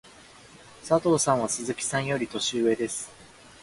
佐藤さんは鈴木さんより年上です。